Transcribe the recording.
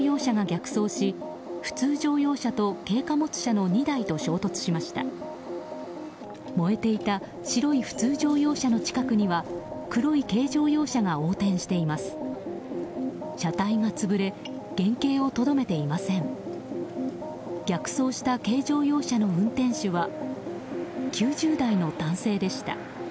逆走した軽乗用車の運転手は９０代の男性でした。